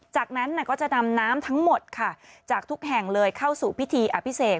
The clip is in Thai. จากนั้นก็จะนำน้ำทั้งหมดค่ะจากทุกแห่งเลยเข้าสู่พิธีอภิเษก